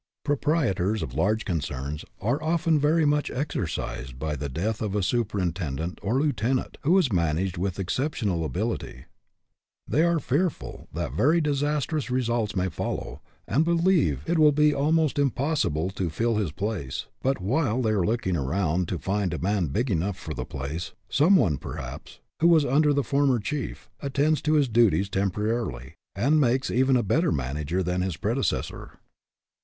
Proprietors of large concerns are often very much exercised by the death of a superintend ent or lieutenant who has managed with ex jceptional ability. They are fearful that very disastrous results may follow, and believe it 96 RESPONSIBILITY DEVELOPS will be almost impossible to fill his place; but, while they are looking around to find a man big enough for the place, some one, perhaps, who was under the former chief, attends to his duties temporarily, and makes even a better manager than his predecessor.